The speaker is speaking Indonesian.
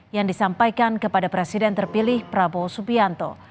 yang disampaikan kepada presiden terpilih prabowo subianto